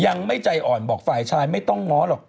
ยังไม่ใจอ่อนบอกฝ่ายชายไม่ต้องง้อหรอก